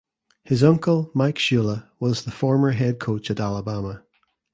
His uncle Mike Shula was the former head coach at Alabama.